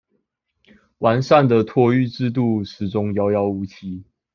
完善的托育制度始終遙遙無期